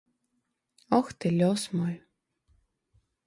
Ох, ты лёс мой!